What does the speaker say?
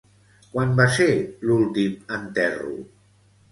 Quan va ser l'últim enterro?